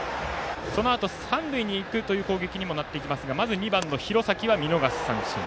そのあと、三塁にいくという攻撃にもなっていきますがまず、２番の廣崎は見逃し三振。